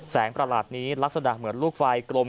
ประหลาดนี้ลักษณะเหมือนลูกไฟกลม